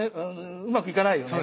うまくいかないよね？